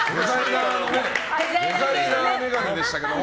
デザイナー眼鏡でしたけども。